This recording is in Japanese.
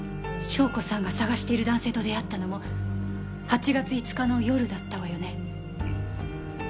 笙子さんが捜している男性と出会ったのも８月５日の夜だったわよね。